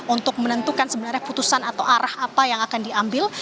untuk menentukan sebenarnya putusan atau arah apa yang akan diambil